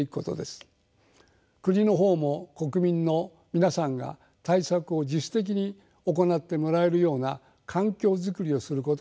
国の方も国民の皆さんが対策を自主的に行ってもらえるような環境作りをすることが必要です。